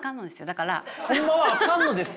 だから。ホンマはアカンのですよ？